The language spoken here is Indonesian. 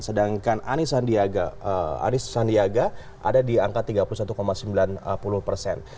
sedangkan anis sandiaga anis sandiaga ada di angka tiga puluh satu sembilan puluh persen